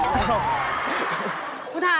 คุณธามวันนี้คุณมั่นใจในตัวคุณพระกุ้งแค่ไหน